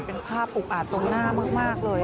เป็นภาพอุกอาจตรงหน้ามากเลย